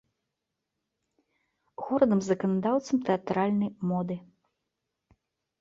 Горадам заканадаўцам тэатральнай моды.